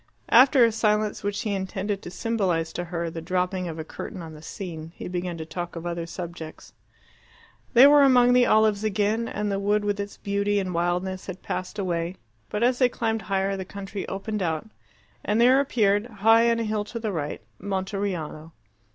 After a silence, which he intended to symbolize to her the dropping of a curtain on the scene, he began to talk of other subjects. They were among olives again, and the wood with its beauty and wildness had passed away. But as they climbed higher the country opened out, and there appeared, high on a hill to the right, Monteriano.